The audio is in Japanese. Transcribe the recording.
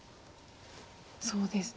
そうですね。